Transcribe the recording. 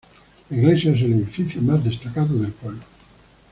La iglesia es el edificio más destacado del pueblo.